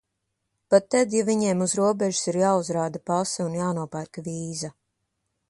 Pat tad, ja viņiem uz robežas ir jāuzrāda pase un jānopērk vīza.